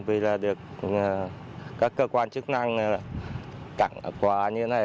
vì là được các cơ quan chức năng tặng quà như thế này